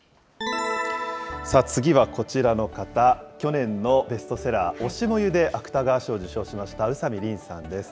次はこちらの方、去年のベストセラー、推し、燃ゆで、芥川賞を受賞しました宇佐見りんさんです。